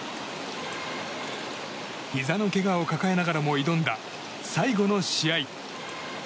ひざのけがを抱えながらも挑んだ最後の試合。